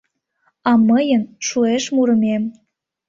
А мыйын шуэш мурымем.